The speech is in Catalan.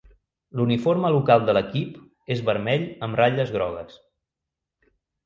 L'uniforme local de l'equip és vermell amb ratlles grogues.